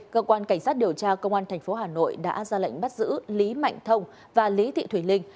cơ quan cảnh sát điều tra công an thành phố hà nội đã ra lệnh bắt giữ lý mạnh thông và lý thị thủy linh